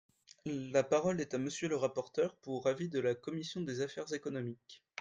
La parole est à Monsieur le rapporteur pour avis de la commission des affaires économiques.